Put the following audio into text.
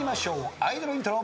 アイドルイントロ。